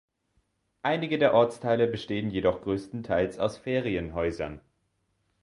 Einige der Ortsteile bestehen jedoch größtenteils aus Ferienhäusern.